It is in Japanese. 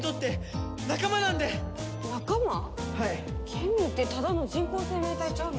ケミーってただの人工生命体ちゃうの？